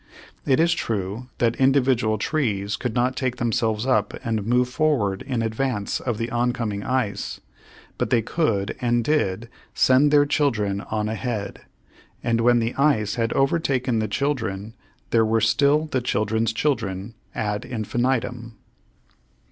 It is true that individual trees could not take themselves up and move forward in advance of the oncoming ice, but they could and did send their children on ahead, and when the ice had overtaken the children there were still the children's children ad infinitum.